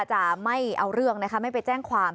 จะไม่เอาเรื่องนะคะไม่ไปแจ้งความ